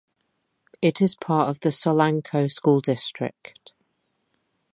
It is part of the Solanco School District.